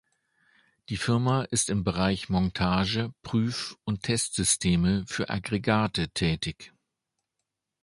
Die Firma ist im Bereich Montage-, Prüf- und Testsysteme für Aggregate tätig.